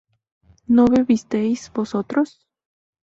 ¿no bebisteis vosotros?